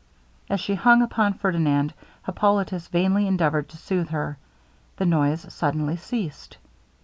As she hung upon Ferdinand, Hippolitus vainly endeavoured to sooth her the noise suddenly ceased.